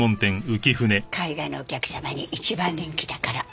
海外のお客様に一番人気だから。